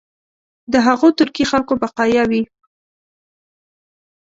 د هغو ترکي خلکو بقایا وي.